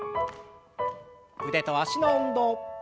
腕と脚の運動。